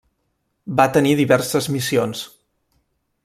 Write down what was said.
Va tenir diverses missions.